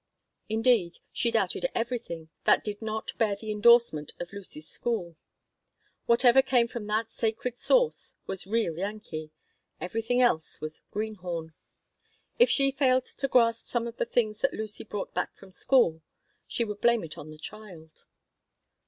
Indeed, she doubted everything that did not bear the indorsement of Lucy's school. Whatever came from that sacred source was "real Yankee"; everything else was "greenhorn." If she failed to grasp some of the things that Lucy brought back from school, she would blame it on the child.